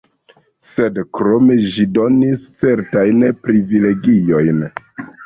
Sed krome ĝi donis certajn privilegiojn.